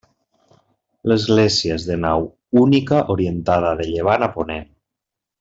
L'Església és de nau única orientada de llevant a ponent.